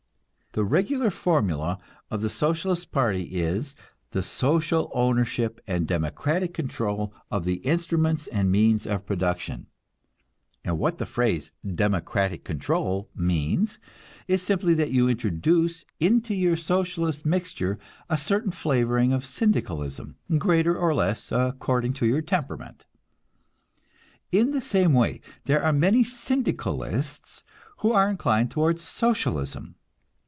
The regular formula of the Socialist party is "the social ownership and democratic control of the instruments and means of production;" and what the phrase "democratic control" means is simply that you introduce into your Socialist mixture a certain flavoring of Syndicalism, greater or less, according to your temperament. In the same way there are many Syndicalists who are inclined toward Socialism.